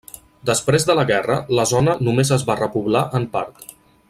Després de la guerra, la zona només es va repoblar en part.